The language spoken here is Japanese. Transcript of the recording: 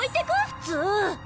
普通！